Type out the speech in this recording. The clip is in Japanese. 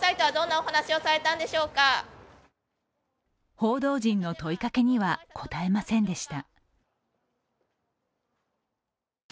報道陣の問いかけには答えませんでした。